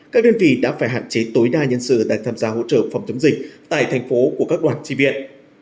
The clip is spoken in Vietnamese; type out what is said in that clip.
các đơn vị đã phải hạn chế tối đa nhân sự đã tham gia hỗ trợ phòng chống dịch tại thành phố của các đoàn tri viện